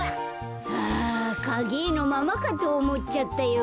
あかげえのままかとおもっちゃったよ。